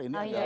ini ada hijau